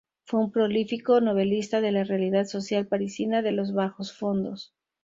Fue un prolífico novelista de la realidad social parisina de los bajos fondos.